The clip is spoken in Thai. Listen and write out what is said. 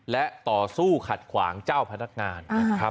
และต่อสู้ขัดขวางเจ้าพนักงาน